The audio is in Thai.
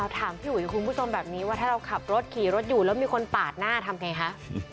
ถามพี่อุ๋ยคุณผู้ชมแบบนี้ว่าถ้าเราขับรถขี่รถอยู่แล้วมีคนปาดหน้าทำไงคะ